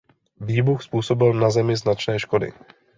Výbuch způsobil na zemi značné škody.